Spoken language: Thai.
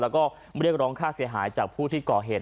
แล้วก็เรียกร้องค่าเสียหายจากผู้ที่ก่อเหตุ